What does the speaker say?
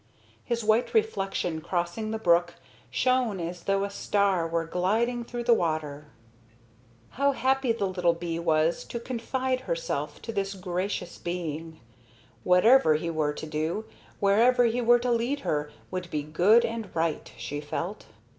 His white reflection crossing the brook shone as though a star were gliding through the water. How happy the little bee was to confide herself to this gracious being! Whatever he were to do, wherever he were to lead her would be good and right, she felt.